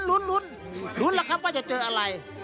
หลุนละครับว่าจะเจออะไร